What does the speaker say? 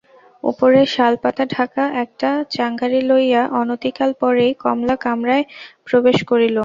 উপরে-শালপাতা-ঢাকা একটা চাঙারি লইয়া অনতিকাল পরেই কমলা কামরায় প্রবেশ করিল।